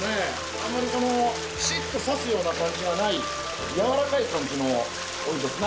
あんまりこのピシッと刺すような感じがない柔らかい感じのお湯ですね。